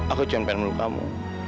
aku cuma pengen meluk kamu